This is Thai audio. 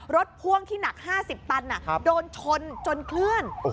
พ่วงที่หนัก๕๐ตันโดนชนจนเคลื่อน